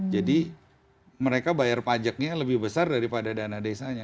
jadi mereka bayar pajaknya lebih besar daripada dana desanya